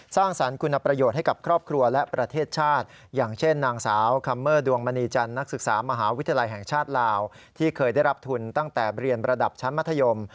สร้างสรรค์คุณประโยชน์ให้กับครอบครัวและประเทศชาติอย่างเช่นนางสาวคัมเมอร์ดวงมณีจันทร์นักศึกษามหาวิทยาลัยแห่งชาติลาวที่เคยได้รับทุนตั้งแต่เรียนระดับชั้นมัธยม